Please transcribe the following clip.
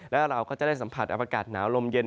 แล้วเราก็จะได้สัมผัสอากาศหนาวลมเย็น